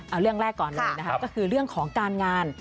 เอาเรื่องแรกก่อนเลยนะคะก็คือเรื่องของการงาน